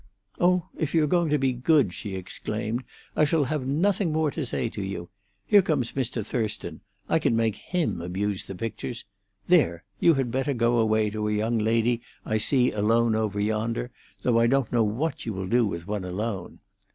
"Oh, if you're going to be good," she exclaimed, "I shall have nothing more to say to you. Here comes Mr. Thurston; I can make him abuse the pictures. There! You had better go away to a young lady I see alone over yonder, though I don't know what you will do with one alone."